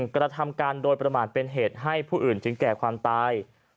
กระทำการโดยประมาทเป็นเหตุให้ผู้อื่นถึงแก่ความตาย